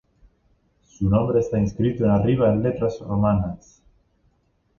Su nombre está inscrito arriba en letras romanas.